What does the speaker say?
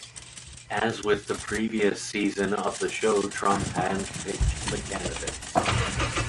As with the previous season of the show, Trump hand-picked the candidates.